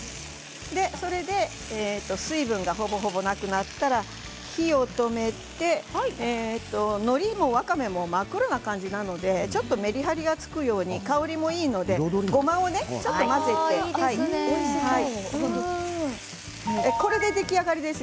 それで、水分がほぼほぼなくなったら、火を止めてのりもわかめも真っ黒な感じなので、ちょっとメリハリがつくように香りもいいのでごまをちょっと混ぜてこれで出来上がりです